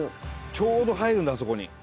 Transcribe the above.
ちょうど入るんだあそこに。